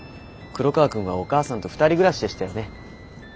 黒川くんはお母さんと２人暮らしでしたよね？